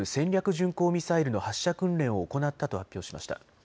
巡航ミサイルの発射訓練を行ったと発表しました。